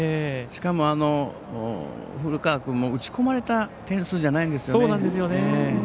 しかも、古川君も打ち込まれた点数じゃないんですね。